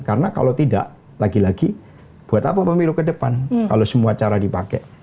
karena kalau tidak lagi lagi buat apa pemilu ke depan kalau semua cara dipakai